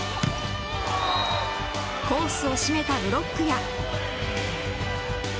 コースを締めたブロックや。